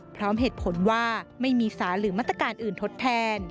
พร้อมเหตุผลว่าไม่มีสารหรือมาตรการอื่นทดแทน